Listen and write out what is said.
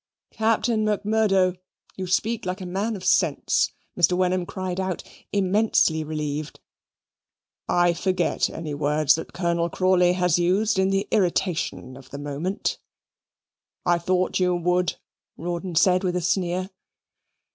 "Captain Macmurdo, you speak like a man of sense," Mr. Wenham cried out, immensely relieved "I forget any words that Colonel Crawley has used in the irritation of the moment." "I thought you would," Rawdon said with a sneer.